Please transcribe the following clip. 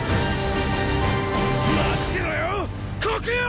待ってろよ黒羊！！